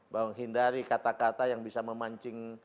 bahwa menghindari kata kata yang bisa memancing